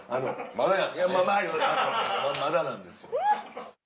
まだなんですよ。